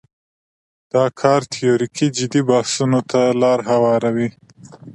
دا کار تیوریکي جدي بحثونو ته لاره هواروي.